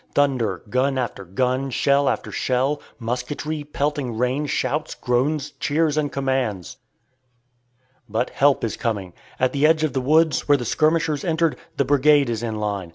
Thunder, gun after gun, shell after shell, musketry, pelting rain, shouts, groans, cheers, and commands! But help is coming. At the edge of the woods, where the skirmishers entered, the brigade is in line.